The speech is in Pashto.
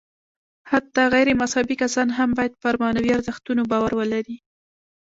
حتی غیر مذهبي کسان هم باید پر معنوي ارزښتونو باور ولري.